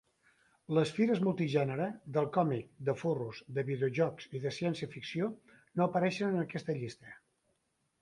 Les fires multigènere, del còmic, de "furros", de videojocs i de ciència-ficció no apareixen en aquesta llista.